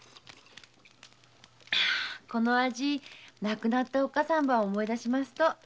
この味亡くなったおっかさんば思い出しますと。